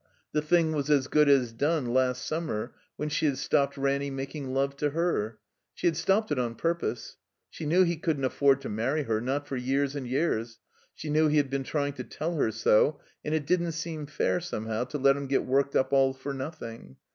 The thhig was as good as done last summer, when she had stopped Ranny nwJdng love to her. She had stopped it on piupose. She knew he couldn't afford to marry her, not for years and years; she knew he had been tr3ring to tell her so; and it didn't seem fair, some how, to let him get worked up all for nothing.